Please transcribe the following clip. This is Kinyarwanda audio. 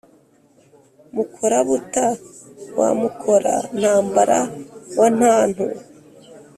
Mukora-buta wa Mukora-ntambara wa Ntantu,